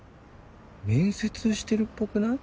面接してるっぽくない？